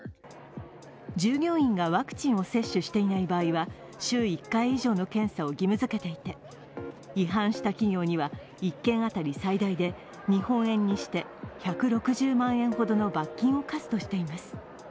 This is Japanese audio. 従業員がワクチンを接種していない場合は、週１回以上の検査を義務づけていて違反した企業には１件当たり最大で日本円にして１６０万円ほどの罰金を科すとしています。